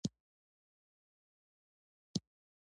ذهني سکون د رواني او فزیکي صحت لپاره مهم دی.